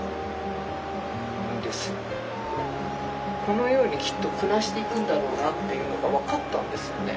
このようにきっと暮らしていくんだろうなっていうのが分かったんですよね。